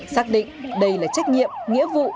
xác định đây là trách nhiệm nghĩa vụ